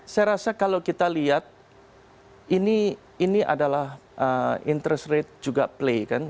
saya rasa kalau kita lihat ini adalah interest rate juga play kan